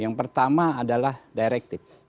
yang pertama adalah directive